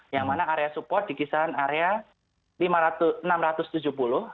yang mana area support di kisaran area rp enam ratus tujuh puluh